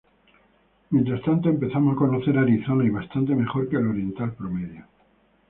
Mientras tanto, empezamos a conocer Arizona, y bastante mejor que el oriental promedio.